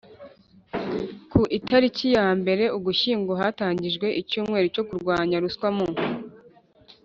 Ku itariki ya mbere Ugushyingo hatangijwe icyumweru cyo kurwanya ruswa mu